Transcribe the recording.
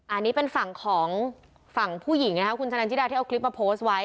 อันนี้เป็นฝั่งของฝั่งผู้หญิงนะครับคุณชะนันทิดาที่เอาคลิปมาโพสต์ไว้